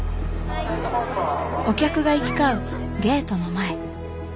お客が行き交うゲートの前。